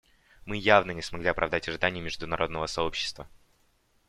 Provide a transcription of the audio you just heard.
Мы явно не смогли оправдать ожиданий международного сообщества.